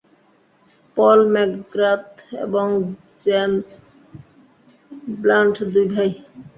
পল McGrath এবং James Blunt দুই ভাই।